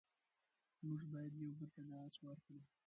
موږ بايد يو بل ته لاس ورکړو.